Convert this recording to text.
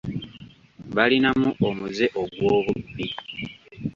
Balinamu omuze ogw'obubbi.